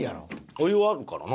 お湯はあるからな。